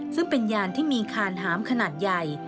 ซึ่งเป็นยานที่มีคานหามขนาดใหญ่